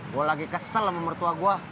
gue lagi kesel sama mertua gue